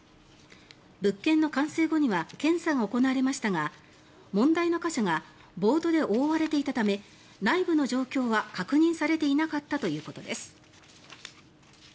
物件の完成後には検査が行われましたが問題の箇所がボードで覆われていたため内部の状況は確認されていなかったということです。